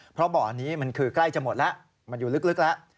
เพราะบ่อนี้มันคือใกล้จะหมดแล้วมันอยู่ลึกแล้ว